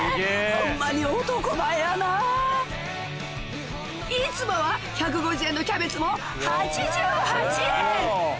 ホンマに男前やないつもは１５０円のキャベツも８８円！